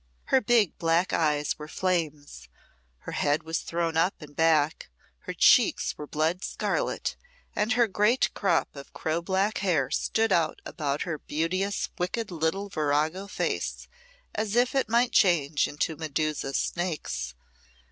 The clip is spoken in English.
Her big black eyes were flames, her head was thrown up and back, her cheeks were blood scarlet, and her great crop of crow black hair stood out about her beauteous, wicked little virago face, as if it might change into Medusa's snakes.